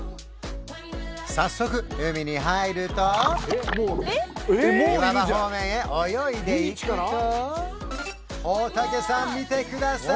早速海に入ると岩場方面へ泳いでいくと大竹さん見てください